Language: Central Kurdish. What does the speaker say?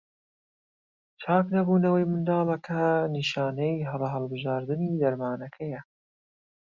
چاکنەبوونەوەی منداڵەکە نیشانەی هەڵە هەڵبژاردنی دەرمانەکەیە.